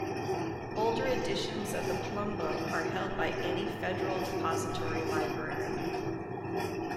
Older editions of the Plum Book are held by any Federal depository library.